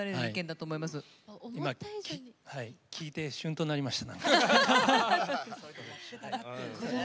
聴いてしゅんとなりました。